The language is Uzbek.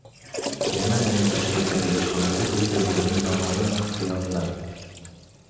Germaniyaning Toshkentdagi elchixonasi viza bo‘limi noma’lum vaqtga yopiladi